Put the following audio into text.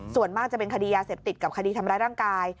ส่วนมากจะเป็นคดียาเสพติดกับคดีทำร้ายร่างกาย